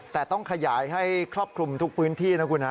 แต่ต้องขยายให้ครอบคลุมทุกพื้นที่นะคุณฮะ